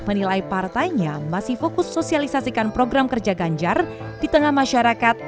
menilai partainya masih fokus sosialisasikan program kerja ganjar di tengah masyarakat